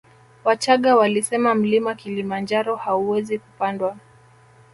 Wachagga walisema mlima kilimanjaro hauwezi kupandwa